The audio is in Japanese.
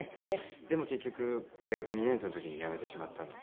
でも結局大学２年生の時にやめてしまったので。